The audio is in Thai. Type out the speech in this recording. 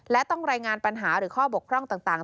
และต้องรายงานปัญหาหรือข้อบกพร่องต่าง